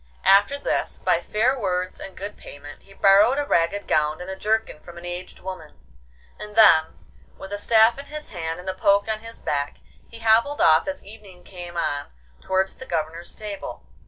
After this, by fair words and good payment, he borrowed a ragged gown and a jerkin from an aged woman, and then, with a staff in his hand and a poke on his back, he hobbled off as evening came on towards the Governor's stable.